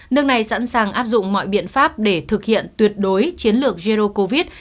nước này sẵn sàng áp dụng mọi biện pháp để thực hiện tuyệt đối chiến lược zero covid